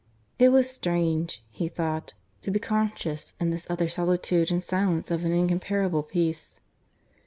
It was strange, he thought, to be conscious in this utter solitude and silence of an incomparable peace.